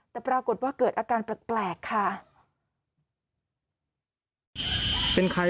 แต่ปรากฏว่าเกิดอาการแปลกค่ะ